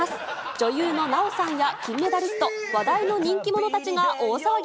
女優の奈緒さんや金メダリスト、話題の人気者たちが大騒ぎ。